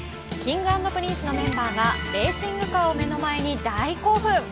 Ｋｉｎｇ＆Ｐｒｉｎｃｅのメンバーがレーシングカーを前に大興奮。